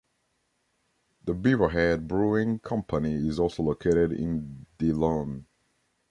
The Beaverhead Brewing Company is also located in Dillon.